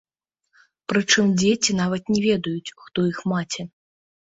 Прычым дзеці нават не ведаюць, хто іх маці.